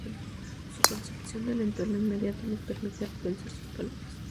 Su concepción del entorno inmediato nos permite re-pensar sus palabras.